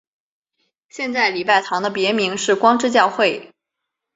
现在礼拜堂的别名是光之教会。